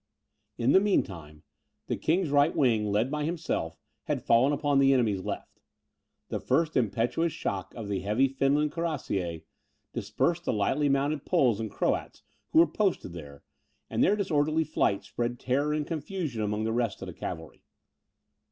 In the mean time, the king's right wing, led by himself, had fallen upon the enemy's left. The first impetuous shock of the heavy Finland cuirassiers dispersed the lightly mounted Poles and Croats, who were posted here, and their disorderly flight spread terror and confusion among the rest of the cavalry.